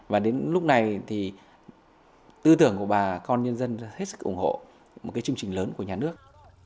và đến lúc này thì tư tưởng của bà con nhân dân hết sức ủng hộ một cái chương trình lớn của nhà nước